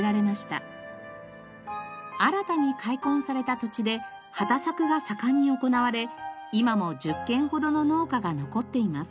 新たに開墾された土地で畑作が盛んに行われ今も１０軒ほどの農家が残っています。